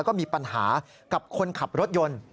ก็มีปัญหากับคนขับรถยนต์